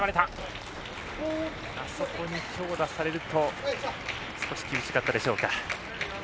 あそこにきょう出されると少し厳しかったでしょうか。